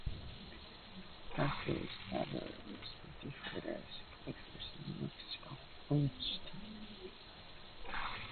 Hofstadter was the DeWitt Clinton Professor of American History at Columbia University.